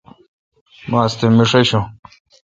ماستہ میݭ آݭوں۔